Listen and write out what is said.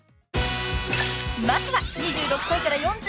［まずは２６歳から４５歳］